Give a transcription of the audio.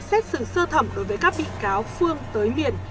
xét xử sơ thẩm đối với các bị cáo phương tới miền